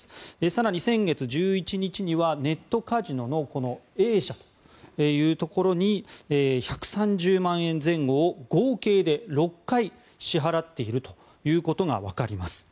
更に先月１１日にはネットカジノのＡ社というところに１３０万円前後を合計６回支払っていることがわかります。